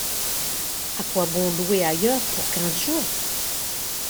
À quoi bon louer ailleurs, pour quinze jours?